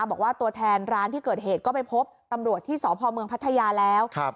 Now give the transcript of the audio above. บอกว่าตัวแทนร้านที่เกิดเหตุก็ไปพบตำรวจที่สพเมืองพัทยาแล้ว